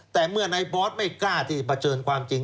แต่เมื่อในบอสไม่กล้าที่เผชิญความจริง